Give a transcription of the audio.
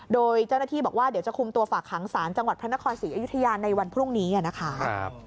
โดยเจ้าหน้าที่บอกว่าเดี๋ยวจะคุมตัวฝากหางศาลจังหวัดพระนครศรีอยุธยาในวันพรุ่งนี้นะคะ